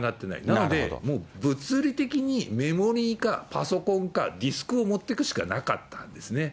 なのでもう物理的にメモリかパソコンかディスクを持っていくしかなかったんですね。